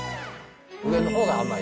上の方が甘い。